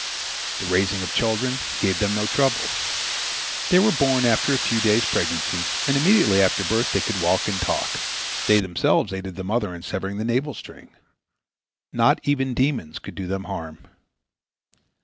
The raising of children gave them no trouble. They were born after a few days' pregnancy, and immediately after birth they could walk and talk; they themselves aided the mother in severing the navel string. Not even demons could do them harm.